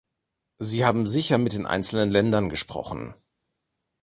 Sie haben sicher mit den einzelnen Ländern gesprochen.